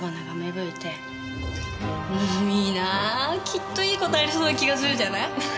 きっといい事ありそうな気がするじゃない？